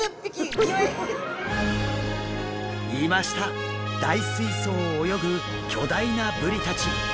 大水槽を泳ぐ巨大なブリたち。